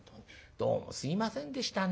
どうもすいませんでしたね。